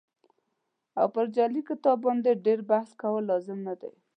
او پر جعلي کتاب باندې ډېر بحث کول لازم نه دي.